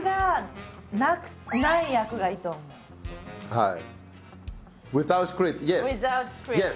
はい。